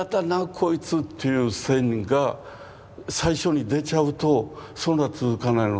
こいつっていう線が最初に出ちゃうとそれは続かないので。